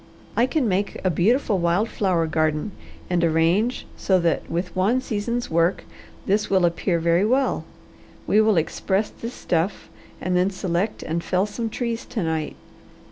I can make a beautiful wild flower garden and arrange so that with one season's work this will appear very well. We will express this stuff and then select and fell some trees to night.